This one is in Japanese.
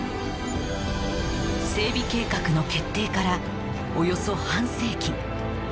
整備計画の決定からおよそ半世紀